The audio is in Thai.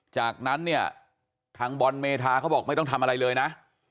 จากนั้นเนี่ยทางบอลเมธาเขาบอกไม่ต้องทำอะไรเลยนะ